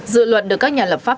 dự luật được các nhà lập pháp